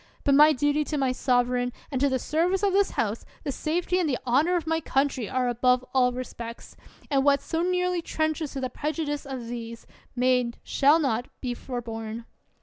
But my duty to my sovereign and to the service of this House, the safety and the honor of my country, are above all respects ; and what so nearly trenches to the prejudice of these, may not, shall not, be forborne.